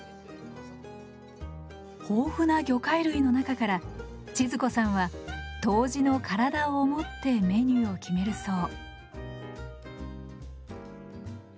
豊富な魚介類の中から千鶴子さんは杜氏の体を思ってメニューを決めるそう。